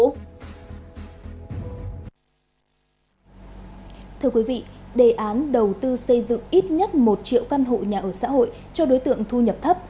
thưa quý vị đề án đầu tư xây dựng ít nhất một triệu căn hộ nhà ở xã hội cho đối tượng thu nhập thấp